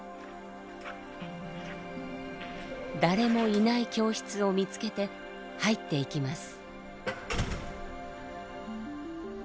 誰もいない教室を見つけて入っていきます。